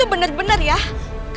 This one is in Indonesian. eh bukan bu citruk